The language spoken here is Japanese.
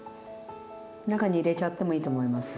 中に入れちゃってもいいと思いますよ。